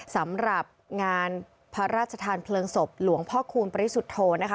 สำหรับงานพระราชทานเพลิงศพหลวงพ่อคูณปริสุทธโธนะคะ